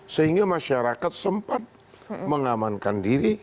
sehingga masyarakat sempat mengamankan diri